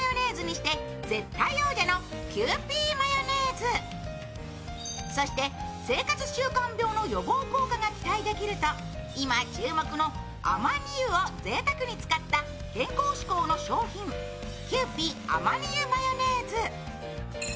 中でも注目はそして、生活習慣病の予防効果が期待できると今、注目のアマニ油をぜいたくに使った健康志向の商品キユーピーアマニ油マヨネーズ。